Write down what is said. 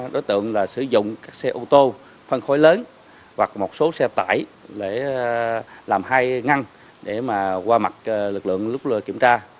đối tượng là sử dụng các xe ô tô phân khối lớn hoặc một số xe tải để làm hai ngăn để mà qua mặt lực lượng lúc lừa kiểm tra